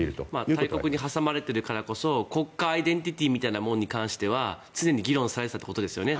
大国に挟まれているから国家アイデンティティーみたいなものに関しては常に議論されていたということですよね。